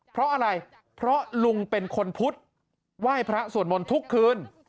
เพราะอะไรเพราะลุงเป็นคนพุทธไหว้พระสวดมนต์ทุกคืน